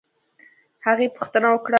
هغې پوښتنه وکړه